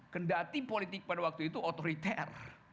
kendati politik pada waktu itu otoriter